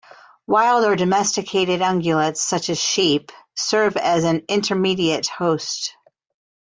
Wild or domesticated ungulates, such as sheep, serve as an intermediate host.